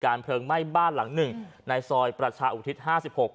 เพลิงไหม้บ้านหลังหนึ่งในซอยประชาอุทิศห้าสิบหก